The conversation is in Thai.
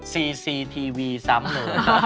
ซีซีทีวีซ้ำเลย